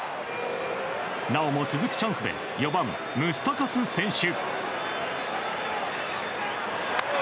なおも続くチャンスで４番、ムスタカス選手。